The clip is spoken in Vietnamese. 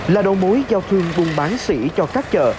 là đầu mối giao thương buôn bán xỉ cho các chợ